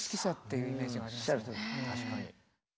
確かに。